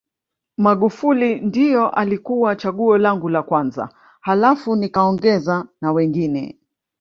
Magufuli ndio alikuwa chaguo langu la kwanza halafu nikaongeza na wengine